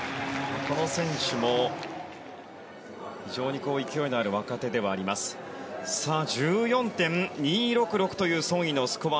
この選手も非常に勢いのある若手ではあります。１４．２６６というソン・イのスコア。